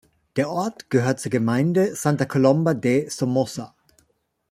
Der Ort gehört zur Gemeinde Santa Colomba de Somoza.